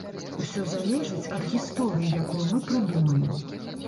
Усё залежыць ад гісторыі, якую мы прыдумаем.